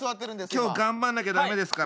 今日頑張んなきゃ駄目ですからね。